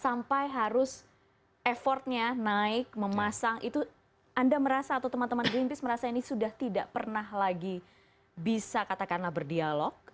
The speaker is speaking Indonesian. sampai harus effortnya naik memasang itu anda merasa atau teman teman greenpeace merasa ini sudah tidak pernah lagi bisa katakanlah berdialog